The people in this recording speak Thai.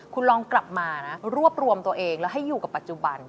คุณลองกลับมานะรวบรวมตัวเองแล้วให้อยู่กับปัจจุบัน